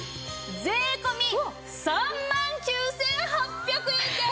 税込３万９８００円です！